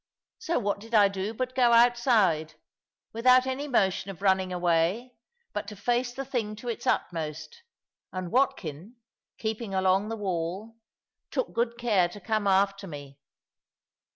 So what did I do but go outside, without any motion of running away, but to face the thing to its utmost; and Watkin, keeping along the wall, took good care to come after me.